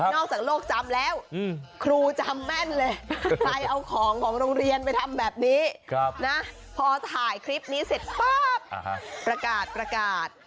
อกจากโลกจำแล้วครูจำแม่นเลยใครเอาของของโรงเรียนไปทำแบบนี้นะพอถ่ายคลิปนี้เสร็จปั๊บประกาศประกาศ